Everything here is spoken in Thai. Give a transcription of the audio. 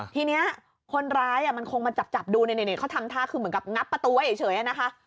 ทีนี้คนร้ายมันคงมาจับดูเขาทำท่าคือเหมือนกับงับประตูไว้เฉยนะคะ